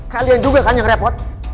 kalian juga kan yang repot